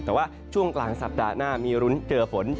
แต่ว่าช่วงกลางสัปดาห์หน้ามีรุ้นเจอฝน